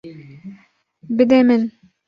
Bide min.